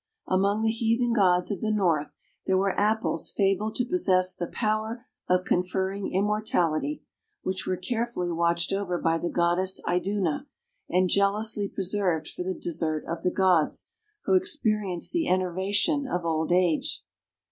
Among the heathen gods of the north there were apples fabled to possess the power of conferring immortality, which were carefully watched over by the goddess Iduna and jealously preserved for the dessert of the gods who experienced the enervation of old age.